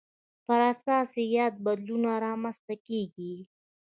پر اساس یې یاد بدلونونه رامنځته کېږي.